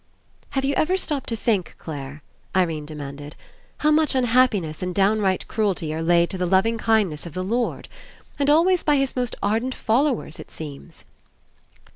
"Have you ever stopped to think, Clare," Irene demanded, "how much unhappi ness and downright cruelty are laid to the lov ing kindness of the Lord? And always by His most ardent followers, it seems."